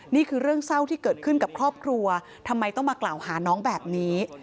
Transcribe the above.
นี่คือเรื่องเศร้าที่เกิดขึ้นกับครอบครัวทำไมต้องมากล่าวหาน้องแบบนี้